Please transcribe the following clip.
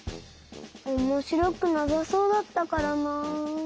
おもしろくなさそうだったからな。